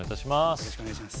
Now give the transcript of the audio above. よろしくお願いします